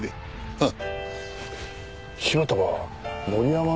ああ。